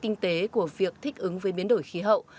kinh tế của việc thích ứng với biến đổi khí hậu